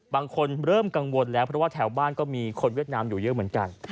บางคนเริ่มกังวลแล้วเพราะว่าแถวบ้านก็มีคนเวียดนามอยู่เยอะเหมือนกัน